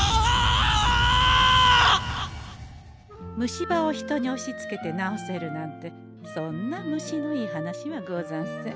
虫歯を人におしつけて治せるなんてそんな虫のいい話はござんせん。